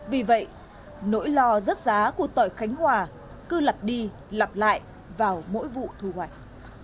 vì vậy nỗi lo rớt giá của tỏi khánh hòa cứ lặp đi lặp lại vào mỗi vụ thu hoạch